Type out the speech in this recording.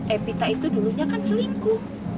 epita itu dulunya kan selingkuh